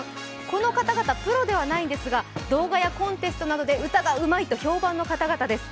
この方々、プロではないんですが、動画やコンテストなどで歌がうまいと評判の方々です。